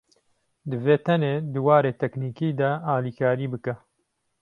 Divê tenê di warê teknîkî de alîkarî bike